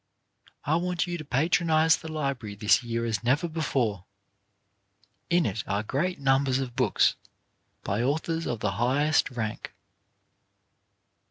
I want you to patronize the library this year as never before. In it are great numbers of books by authors of the highest rank.